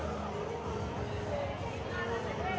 หมดลม